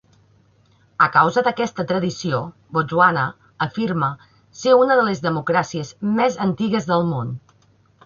A causa d'aquesta tradició, Botswana afirma ser una de les democràcies més antigues del món.